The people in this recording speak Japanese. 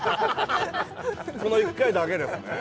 その１回だけですね